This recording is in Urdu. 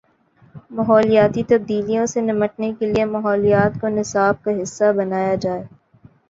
ماحولیاتی تبدیلیوں سے نمٹنے کے لیے ماحولیات کو نصاب کا حصہ بنایا جائے۔